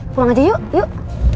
pulang aja yuk yuk